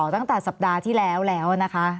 ตั้งแต่สัปดาห์ที่แล้วแล้วนะคะ